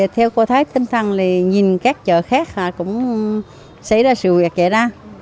theo cô thái tinh thăng nhìn các chợ khác cũng xảy ra sự vẹt vẹt ra